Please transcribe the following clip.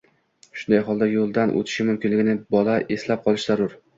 shunday holda yo‘ldan o‘tishi mumkinligini bola eslab qolishi zarur.